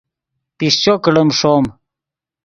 پیشچو کڑیم ݰوم